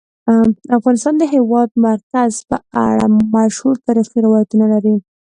افغانستان د د هېواد مرکز په اړه مشهور تاریخی روایتونه لري.